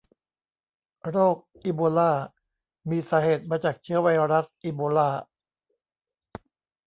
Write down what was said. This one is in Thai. โรคอีโบลามีสาเหตุมาจากเชื้อไวรัสอีโบลา